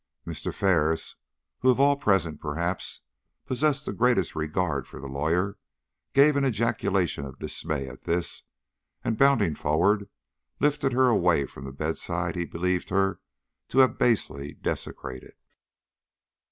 Mr. Ferris, who of all present, perhaps, possessed the greatest regard for the lawyer, gave an ejaculation of dismay at this, and bounding forward, lifted her away from the bedside he believed her to have basely desecrated.